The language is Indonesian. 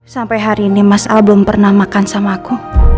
sampai hari ini mas al belum pernah makan samaku